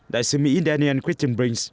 đại sứ mỹ daniel christian briggs